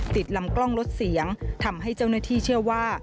ติดลำกล้องลดเสียงทำให้เจ้าหน้าที่เชื่อว่า